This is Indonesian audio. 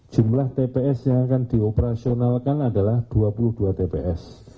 jumlah tps yang akan dioperasionalkan adalah dua puluh dua tps